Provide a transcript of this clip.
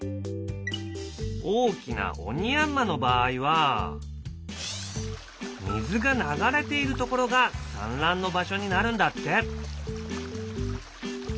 大きなオニヤンマの場合は水が流れているところが産卵の場所になるんだって。